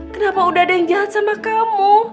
kenapa udah ada yang jahat sama kamu